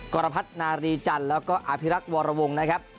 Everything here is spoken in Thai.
กรพัฒนารีจันทร์แล้วก็อภิรักษ์วรวงนะครับ